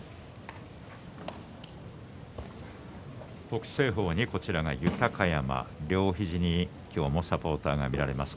北青鵬に豊山豊山は両肘に今日もサポーターが見られます。